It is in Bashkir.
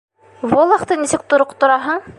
Волохты нисек тороҡтораһың?